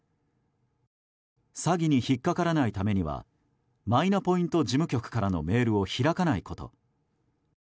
詐欺に引っかからないためにはマイナポイント事務局からのメールを開かないこと。